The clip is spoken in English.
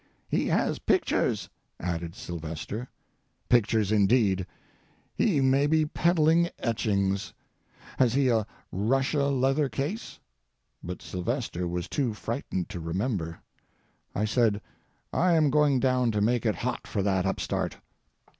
"He has pictures," added Sylvester. "Pictures, indeed! He maybe peddling etchings. Has he a Russia leather case?" But Sylvester was too frightened to remember. I said; "I am going down to make it hot for that upstart!"